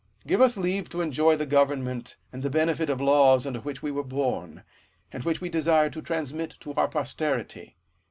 Give us leave to enjoy the government and the benefit of laws under which we were born, and which we desire to transmit to our posterity.